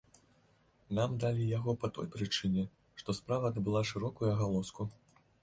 Нам далі яго па той прычыне, што справа набыла шырокую агалоску.